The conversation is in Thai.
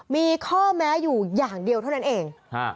มีข้อแม้อยู่อย่างเดียวเท่านั้นเอง